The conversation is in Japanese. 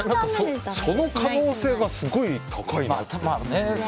その可能性がすごい高いなと。